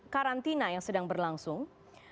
karantina yang sedang berlangsung